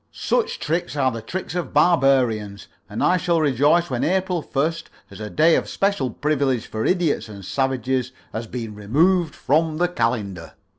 Such tricks are the tricks of barbarians, and I shall rejoice when April 1st as a day of special privilege for idiots and savages has been removed from the calendar."